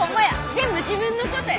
全部自分の事や。